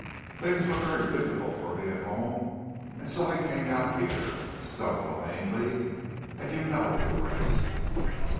Things were very difficult for me at home and so I came out here, stumbled on Ainley and you know the rest."